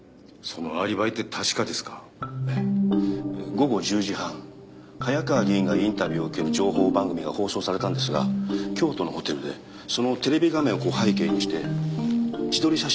午後１０時半早川議員がインタビューを受ける情報番組が放送されたんですが京都のホテルでそのテレビ画面を背景にして自撮り写真を撮ってました。